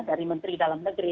dari menteri dalam negeri